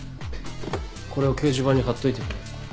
これを掲示板に貼っといてくれ。